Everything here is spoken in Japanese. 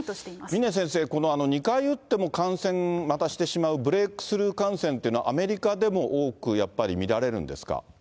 峰先生、２回打っても感染、またしてしまうブレークスルー感染というのはアメリカでも多く、やっぱり見られるんですか。